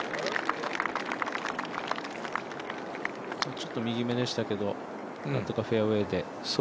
ちょっと右めでしたけどなんとかフェアウエーで。